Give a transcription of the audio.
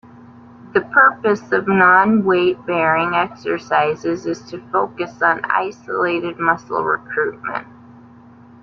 The purpose of non-weight bearing exercises is to focus on isolated muscle recruitment.